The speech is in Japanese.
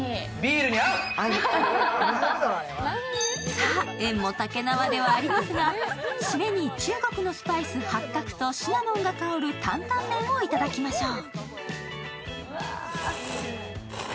さぁ、宴もたけなわではありますが、締めに中国のスパイス、八角とシナモンが香る担々麺をいただきましょう。